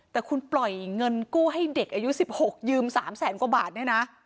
แต่คุณปล่อยเงินกู้ให้เด็กอายุ๑๖ยืม๓แสนกว่าบาทเนี่ยนะ